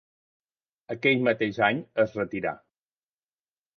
Aquell mateix any es retirà.